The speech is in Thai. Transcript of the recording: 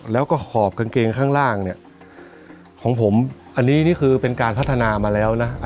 แล้วก็หอบกางเกงข้างล่างเนี่ยของผมอันนี้นี่คือเป็นการพัฒนามาแล้วนะ